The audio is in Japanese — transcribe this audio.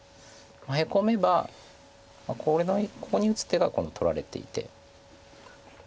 ヘコめばここに打つ手が今度取られていて。